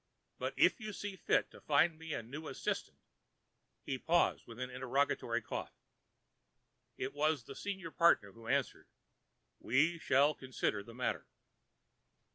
But, if you see fit to find me a new assistant——" He paused, with an interrogatory cough. It was the senior partner who answered, "We shall consider the matter."